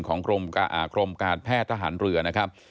กรมการแพทย์ทหารเรือนะครับ